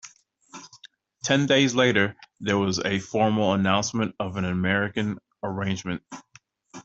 Ten days later, there was a formal announcement of an American Arrangement.